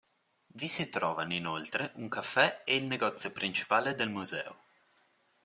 Vi si trovano inoltre un caffè e il negozio principale del museo.